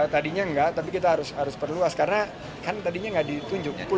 tadinya enggak tapi kita harus perluas karena kan tadinya nggak ditunjuk